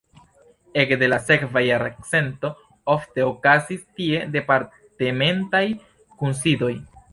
Ekde la sekva jarcento ofte okazis tie departementaj kunsidoj.